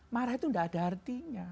marah itu tidak ada artinya